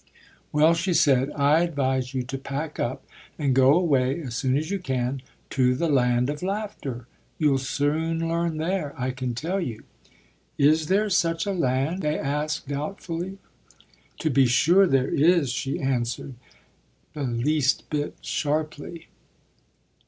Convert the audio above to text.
"Well," she said, "I advise you to pack up, and go away, as soon as you can, to the Land of Laughter. You'll soon learn there, I can tell you." "Is there such a land?" they asked doubtfully. "To be sure there is," she answered, the least bit sharply.